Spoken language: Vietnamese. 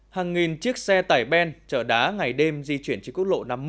hàng nghìn chiếc xe tải ben chở đá ngày đêm di chuyển trên quốc lộ năm mươi một